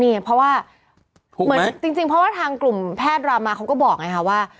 นี่เพราะว่าเหมือนจริงเพราะว่าทางกลุ่มแพทย์รามาเขาก็บอกไงค่ะว่า